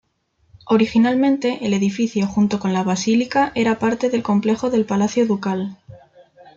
Originalmente el edificio, junto con la Basílica, era parte del complejo del Palacio Ducal.